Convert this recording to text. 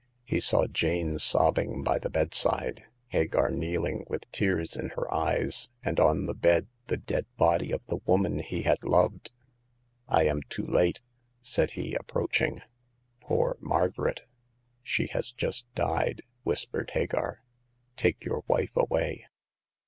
He saw Jane sobbing by the bedside, Hagar kneehng with tears in her eyes, and on the bed the dead body of the woman he had loved. '* I am too late," said he, approaching. " Poor Margaret !"She has just died," whispered Hagar. " Take your wife away."